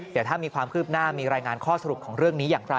เดี๋ยวถ้ามีความคืบหน้ามีรายงานข้อสรุปของเรื่องนี้อย่างไร